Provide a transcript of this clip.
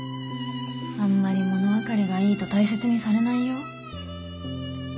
あんまり物分かりがいいと大切にされないよ。